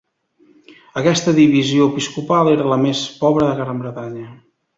Aquesta divisió episcopal era la més pobre de Bretanya.